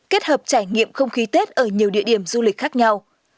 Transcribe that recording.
kết hợp trải nghiệm không khí tết ở nhiều địa điểm du lịch khác nhau